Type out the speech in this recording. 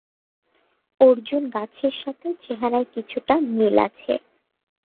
অর্জুন গাছের সাথে চেহারায় কিছুটা মিল আছে।